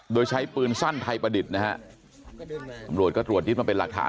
โดยใช้ปืนสั้นไทยประดิษฐ์นะฮะตำรวจก็ตรวจยึดมาเป็นหลักฐาน